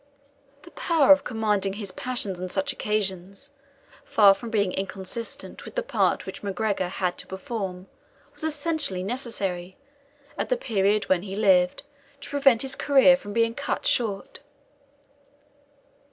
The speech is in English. The power of commanding his passions on such occasions, far from being inconsistent with the part which MacGregor had to perform, was essentially necessary, at the period when he lived, to prevent his career from being cut short.